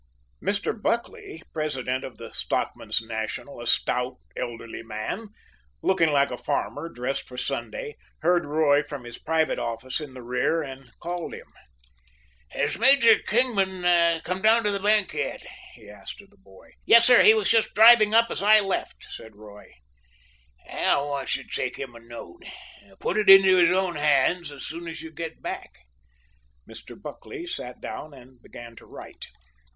Mr. Buckley, president of the Stockmen's National a stout, elderly man, looking like a farmer dressed for Sunday heard Roy from his private office at the rear and called him. "Has Major Kingman come down to the bank yet?" he asked of the boy. "Yes, sir, he was just driving up as I left," said Roy. "I want you to take him a note. Put it into his own hands as soon as you get back." Mr. Buckley sat down and began to write.